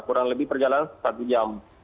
kurang lebih perjalanan satu jam